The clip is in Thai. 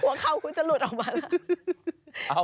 หัวเข่าก็จะหลุดออกมาเห็นไหม